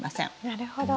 なるほど。